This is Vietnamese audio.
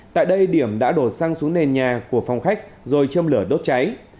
tại đây điểm đã đổ xăng xuống nền nhà của phòng khách rồi châm lửa đốt cháy